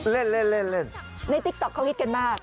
เล่นเล่นเล่นเล่นในติ๊กต๊อกเขาคิดกันมาก